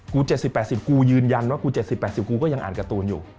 ๗๐๘๐กูยืนยันว่ากู๗๐๘๐กูก็ยังอ่านการ์ตูนอยู่